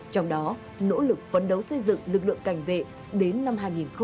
trong đó nỗ lực phấn đấu xây dựng lực lượng cảnh vệ đến năm hai nghìn hai mươi năm